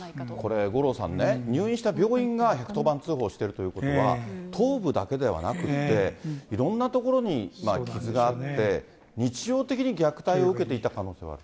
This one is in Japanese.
これ、五郎さんね、入院した病院が１１０番通報してるということは、頭部だけではなくて、いろんな所に傷があって、日常的に虐待を受けていた可能性ある。